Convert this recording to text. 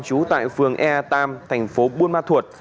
trú tại phường e ba thành phố buôn ma thuột